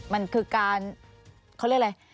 มันคือการเขาเรียกอะไร